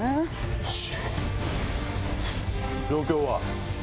よし！